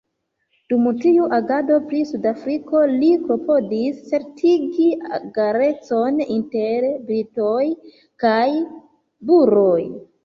Dum tiu agado pri Sudafriko, li klopodis certigi egalecon inter Britoj kaj Buroj.